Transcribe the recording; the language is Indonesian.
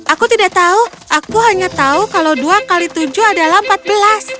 aku tidak tahu aku hanya tahu kalau dua x tujuh adalah empat belas